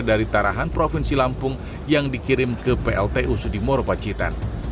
dari tarahan provinsi lampung yang dikirim ke pltu sudimoro pacitan